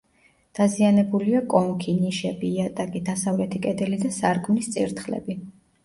დაზიანებულია კონქი, ნიშები, იატაკი, დასავლეთი კედელი და სარკმლის წირთხლები.